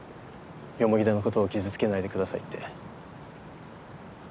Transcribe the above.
田のことを傷つけないでくださいって。